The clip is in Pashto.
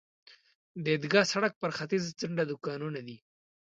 د عیدګاه سړک پر ختیځه څنډه دوکانونه دي.